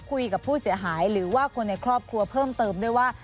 คุยกับผู้เสียหายหรือว่าคนในครอบครัวเพิ่มเติมด้วยว่า